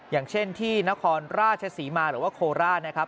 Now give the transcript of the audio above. อย่างเช่นที่นครราชศรีมาหรือว่าโคราชนะครับ